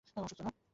ও অসুস্থ, না?